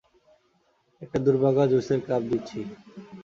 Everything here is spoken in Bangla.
একটা দুর্ভাগা জুসের কাপ দিচ্ছি।